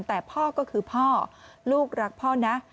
แต่พ่อก็คือพ่อลูกรักพ่อนะ